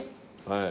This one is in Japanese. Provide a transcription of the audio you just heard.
はい。